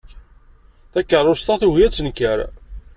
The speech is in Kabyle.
Takeṛṛust-a tugi ad tenker.